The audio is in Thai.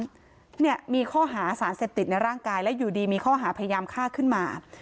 เนี่ยมีข้อหาสารเสพติดในร่างกายและอยู่ดีมีข้อหาพยายามฆ่าขึ้นมา